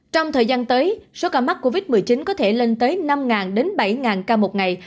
trong thời gian tới số ca mắc covid một mươi chín có thể lên tới năm bảy ca một ngày